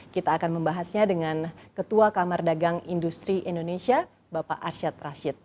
kita akan membahasnya dengan ketua kamar dagang industri indonesia bapak arsyad rashid